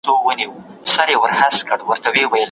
مقناطیسي دانې د کرویاتو د پېژندلو لپاره کارول کېږي.